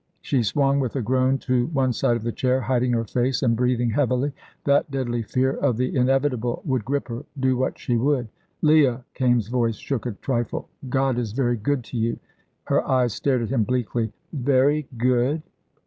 She swung with a groan to one side of the chair, hiding her face and breathing heavily. That deadly fear of the inevitable would grip her, do what she would. "Leah" Kaimes' voice shook a trifle "God is very good to you." Her eyes stared at him bleakly. "Very good?"